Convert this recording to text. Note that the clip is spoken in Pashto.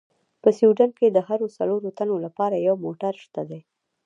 په سویډن کې د هرو څلورو تنو لپاره یو موټر شته دي.